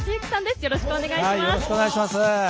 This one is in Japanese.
よろしくお願いします。